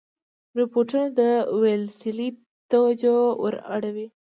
رپوټونو د ویلسلي توجه ور واړوله.